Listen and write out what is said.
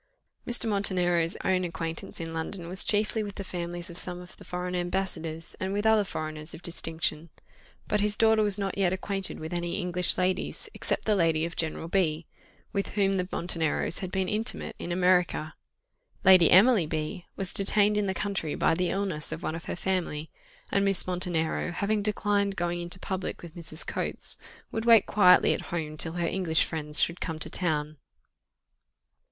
Mr. Montenero's own acquaintance in London was chiefly with the families of some of the foreign ambassadors, and with other foreigners of distinction; but his daughter was not yet acquainted with any English ladies, except the lady of General B , with whom the Monteneros had been intimate in America. Lady Emily B was detained in the country by the illness of one of her family, and Miss Montenero, having declined going into public with Mrs. Coates, would wait quietly at home till her English friends should come to town.